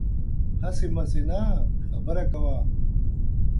هسې مسې نه، خبره کوه